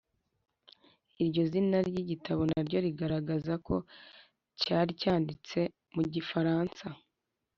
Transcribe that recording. iryo zina ry’igitabo na ryo rigaragaza ko cyari cyanditse mu gifaransa